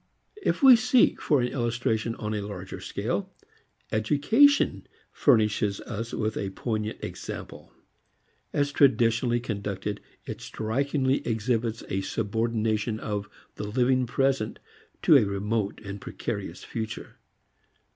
If we seek for an illustration on a larger scale, education furnishes us with a poignant example. As traditionally conducted, it strikingly exhibits a subordination of the living present to a remote and precarious future.